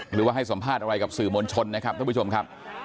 หรือว่าให้สัมภาษณ์อะไรกับสื่อมวลชนนะครับท่านผู้ชมครับ